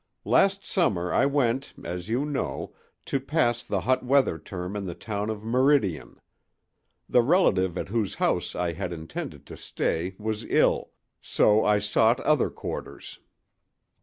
"Last summer I went, as you know, to pass the hot weather term in the town of Meridian. The relative at whose house I had intended to stay was ill, so I sought other quarters.